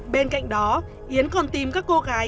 bên cạnh đó yến còn tìm các cô gái